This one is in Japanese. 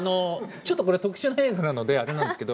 ちょっとこれ特殊な映画なのであれなんですけど。